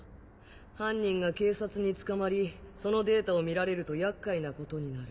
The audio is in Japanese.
犯人が警察に捕まりそのデータを見られると厄介なことになる。